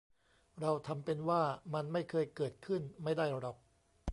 เราทำเป็นว่ามันไม่เคยเกิดขึ้นไม่ได้หรอก